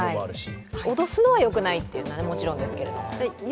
脅すのはよくないのはもちろんですけれど。